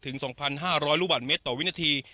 ๒๕๐๐ลูกบาทเมตรต่อวินาที